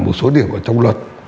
một số điểm ở trong luật